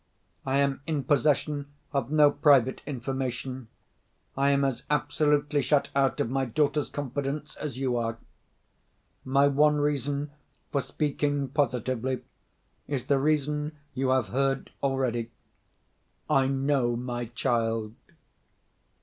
I am in possession of no private information. I am as absolutely shut out of my daughter's confidence as you are. My one reason for speaking positively, is the reason you have heard already. I know my child."